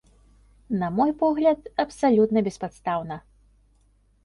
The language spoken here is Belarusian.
На мой погляд, абсалютна беспадстаўна.